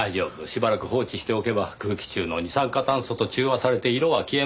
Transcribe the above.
しばらく放置しておけば空気中の二酸化炭素と中和されて色は消えます。